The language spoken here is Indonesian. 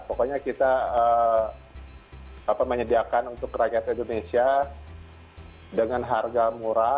pokoknya kita menyediakan untuk rakyat indonesia dengan harga murah